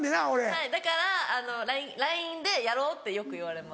はいだからＬＩＮＥでやろうってよく言われます。